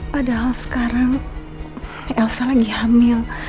padahal sekarang kita lagi hamil